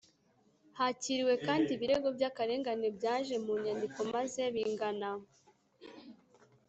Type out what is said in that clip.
hakiriwe kandi ibirego by akarengane byaje mu nyandiko maze bingana